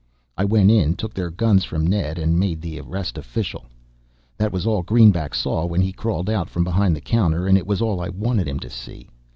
I went in, took their guns from Ned, and made the arrest official. That was all Greenback saw when he crawled out from behind the counter and it was all I wanted him to see.